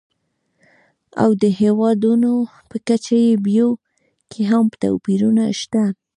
او د هېوادونو په کچه یې بیو کې هم توپیرونه شته.